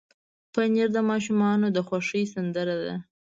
پنېر د ماشومانو د خوښې سندره ده.